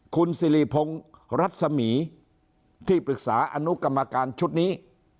คุณสิริพงศ์รัศมีที่ปรึกษาอนุกรรมการชุดนี้